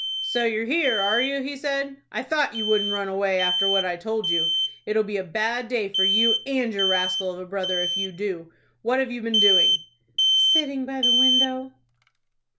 "So you're here, are you?" he said. "I thought you wouldn't run away after what I told you. It'll be a bad day for you and your rascal of a brother if you do. What have you been doing?" "Sitting by the window."